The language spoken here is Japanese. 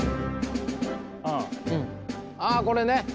あこれね！